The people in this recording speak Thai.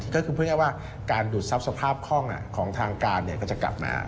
ก็คือพูดง่ายว่าการดูดทรัพย์สภาพคล่องของทางการก็จะกลับมา